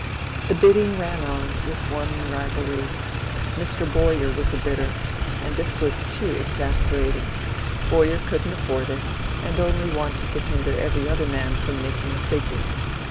The bidding ran on with warming rivalry. Mr. Bowyer was a bidder, and this was too exasperating. Bowyer couldn't afford it, and only wanted to hinder every other man from making a figure.